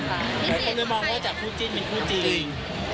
มีใครมองเขาจากผู้จินเป็นผู้จริง